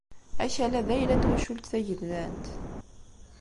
Akal-a d ayla n twacult tageldant.